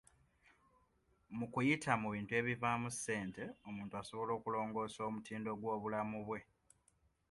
Mu kuyita mu bintu ebivaamu ssente, omuntu asobola okulongoosa omutindo gw'obulamu bwe.